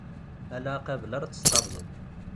Ala aqabel ara tt-tqableḍ.